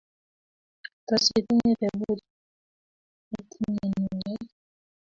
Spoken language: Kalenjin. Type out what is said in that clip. Tos itinye tebut kotinyenokey?